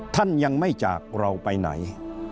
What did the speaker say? ท่านยังไม่จากเราไปไหน